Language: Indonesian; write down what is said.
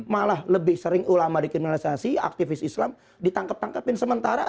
malah lebih sering ulama dikriminalisasi aktivis islam ditangkap tangkapin sementara